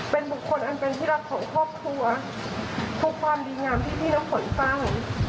เป็นบุคคลอันเป็นที่รักของครอบครัวทุกความดีงามที่พี่น้ำฝนฟัง